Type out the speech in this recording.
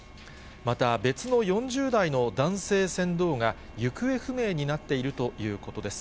また別の４０代の男性船頭が行方不明になっているということです。